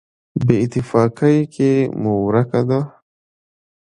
په بېاتفاقۍ کې مو ورکه ده.